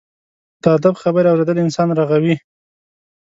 د ادب خبرې اورېدل انسان رغوي.